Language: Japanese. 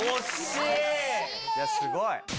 いや、すごい。